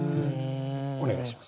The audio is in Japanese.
お願いします。